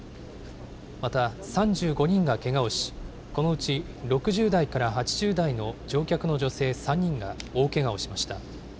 また、３５人がけがをし、このうち６０代から８０代の乗客の女性３人が大けがをしました。